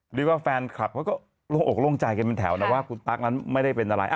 หรือว่าแฟนคลับเขาก็โรงโรงจ่ายกันเป็นแถวนะว่าคุณตั๊กไม่ได้เป็นอะไร